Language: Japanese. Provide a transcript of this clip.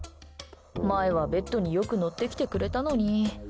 前はベッドによく乗ってきてくれたのに。